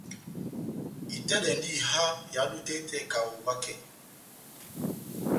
Itɛ́dɛndi iha ehádo tɛ́h etɛnɛ kaho vakɛ.